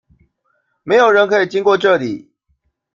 沒有人可以經過這裡！